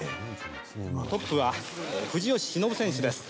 トップは藤吉忍選手です。